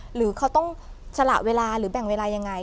หรือเขาต้องสละเวลาหรือแบ่งเวลายังไง